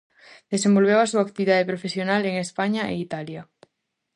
Desenvolveu a súa actividade profesional en España e Italia.